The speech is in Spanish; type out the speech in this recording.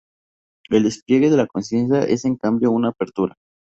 El despliegue de la conciencia es en cambio una apertura.